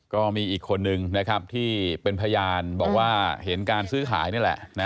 ก็มีอีกคนนึงนะครับที่เป็นพยานบอกว่าเห็นการซื้อขายนี่แหละ